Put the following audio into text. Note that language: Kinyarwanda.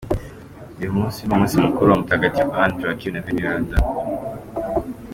Uyu munsi ni umunsi mukuru wa Mutagatifu Anne, Joachim na Veneranda.